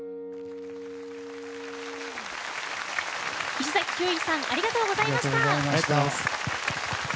石崎ひゅーいさんありがとうございました。